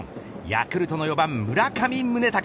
ヤクルトの４番、村上宗隆。